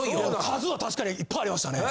数は確かにいっぱいありましたね。